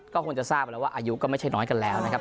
ก็คงจะทราบแล้วว่าอายุก็ไม่ใช่น้อยกันแล้วนะครับ